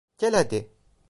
Gel hadi!